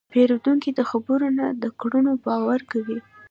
پیرودونکی د خبرو نه، د کړنو باور کوي.